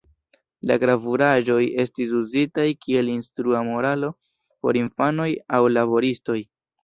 La gravuraĵoj estis uzitaj kiel instrua moralo por infanoj aŭ laboristoj.